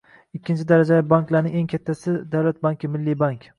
Ikkinchi darajali banklarning eng kattasi - davlat banki - Milliy bank